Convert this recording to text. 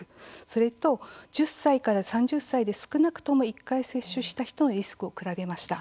それと、１０歳から３０歳で少なくとも１回接種した人のリスクを比べました。